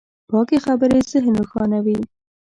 پاکې خبرې ذهن روښانوي.